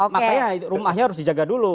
makanya rumahnya harus dijaga dulu